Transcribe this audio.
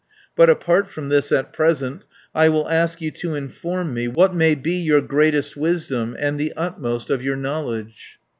But apart from this at present, I will ask you to inform me What may be your greatest wisdom; And the utmost of your knowledge?"